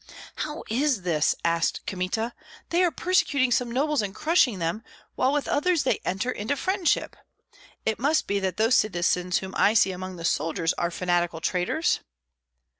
"How is this?" asked Kmita. "They are persecuting some nobles and crushing them, while with others they enter into friendship. It must be that those citizens whom I see among the soldiers are fanatical traitors?"